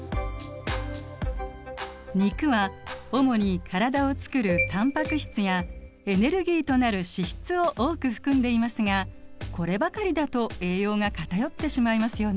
肉は主に体をつくるタンパク質やエネルギーとなる脂質を多く含んでいますがこればかりだと栄養が偏ってしまいますよね。